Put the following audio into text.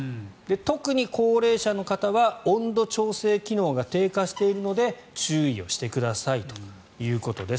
特に高齢者の方は温度調整機能が低下しているので注意をしてくださいということです。